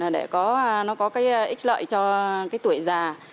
để nó có cái ít lợi cho cái tuổi già